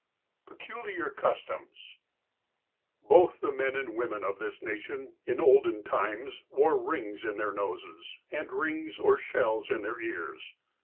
X PECULIAR CUSTOMS BOTH the men and women of this nation, in olden times, wore rings in their noses, and rings or shells in their ears.